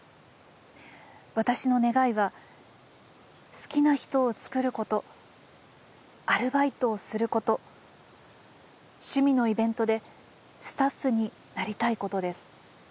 私の願いは好きな人を作ることアルバイトをすること趣味のイベントでスタッフになりたいことです